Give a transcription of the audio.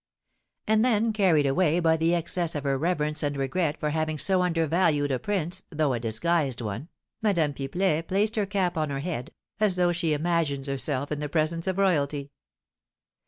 And then, carried away by the excess of her reverence and regret for having so undervalued a prince, though a disguised one, Madame Pipelet placed her cap on her head, as though she imagined herself in the presence of royalty.